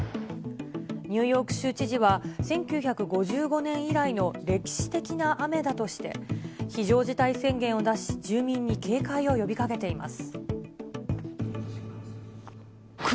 ニューヨーク州知事は、１９５５年以来の歴史的な雨だとして、非常事態宣言を出し、住民に警戒を呼びかけています。